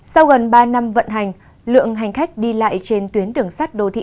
sau gần ba năm vận hành lượng hành khách đi lại trên tuyến đường sắt đô thị